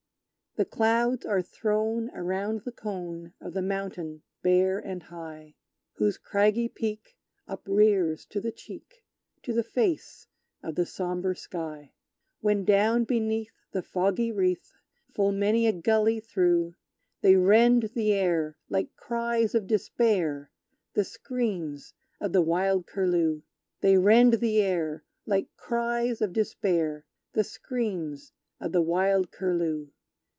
The clouds are thrown around the cone Of the mountain bare and high, (Whose craggy peak uprears to the cheek To the face of the sombre sky) When down beneath the foggy wreath, Full many a gully through, They rend the air, like cries of despair, The screams of the wild Curlew! They rend the air, Like cries of despair, The screams of the wild Curlew!